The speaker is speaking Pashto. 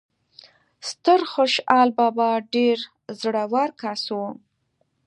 ستر خوشال بابا ډیر زړه ور کس وو